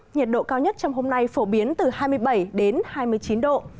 nhiệt độ cao nhất trong hôm nay phổ biến từ hai mươi bảy hai mươi chín độ